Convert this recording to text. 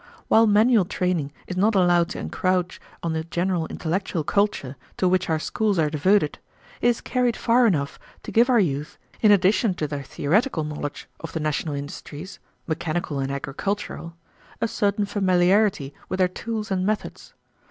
While manual training is not allowed to encroach on the general intellectual culture to which our schools are devoted, it is carried far enough to give our youth, in addition to their theoretical knowledge of the national industries, mechanical and agricultural, a certain familiarity with their tools and methods.